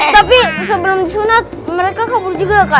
tapi sebelum disunat mereka kabur juga kak